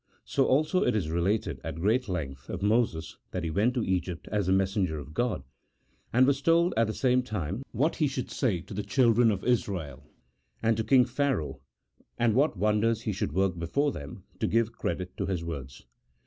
So also it is related, at great length, of Moses that he went to Egypt as the messenger of God, and was told at the same time what he should say to the children of Israel and to king Pharaoh, and what wonder she should work before them to give credit to his words.